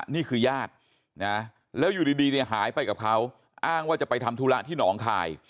นี่คือญาตินะแล้วอยู่ดีเนี่ยหายไปกับเขาอ้างว่าจะไปทำธุระที่หนองคาย